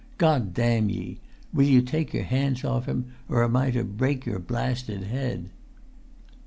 God damn ye! will you take your hands off him, or am I to break your blasted head?"